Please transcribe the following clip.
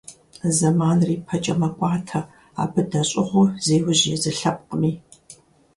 Зэманыр ипэкӀэ мэкӀуатэ, абы дэщӀыгъуу зеужь езы лъэпкъми.